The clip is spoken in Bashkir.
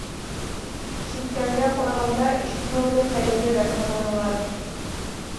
Ишеткәнгә ҡарағанда, ишетмәүҙе хәйерлерәк һананылар.